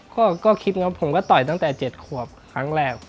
ก็คิดครับผมก็ต่อยตั้งแต่๗ขวบครั้งแรก